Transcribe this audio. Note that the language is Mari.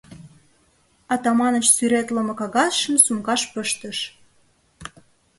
Атаманыч сӱретлыме кагазшым сумкаш пыштыш.